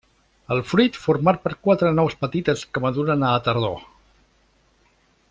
El fruit format per quatre nous petites que maduren a la tardor.